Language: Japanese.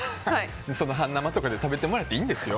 半生とかで食べてもらっていいんですよ。